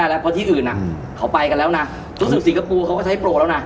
แล้วเพราะที่อื่นเขาไปกันแล้วนะรู้สึกสิงคโปร์เขาก็ใช้โปรแล้วนะ